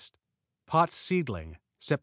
Pott's Seedling Sept.